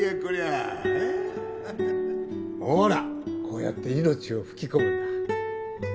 ほらこうやって命を吹き込むんだ